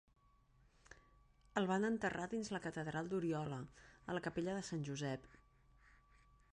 El van enterrar dins la catedral d'Oriola a la capella de Sant Josep.